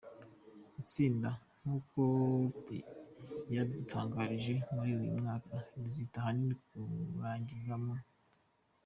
tsinda nkuko ryabidutangarije muri uyu mwaka rizita ahanini mu kurangiza mu.